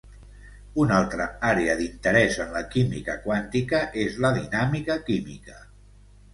Una altra àrea d'interès en la química quàntica és la dinàmica química.